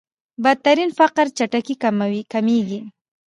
بدترين فقر چټکۍ کمېږي.